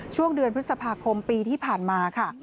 ช่วงเดือนพฤษภาคมปีที่ผ่านมาค่ะ